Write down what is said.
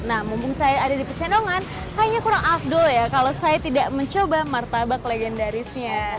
nah mumpung saya ada di pecenongan kayaknya kurang afdol ya kalau saya tidak mencoba martabak legendarisnya